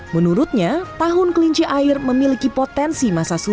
menurutnya tahun kelinci air memiliki potensi